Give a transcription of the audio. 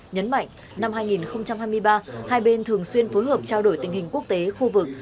nhấn mạnh năm hai nghìn hai mươi ba hai bên thường xuyên phối hợp trao đổi tình hình quốc tế khu vực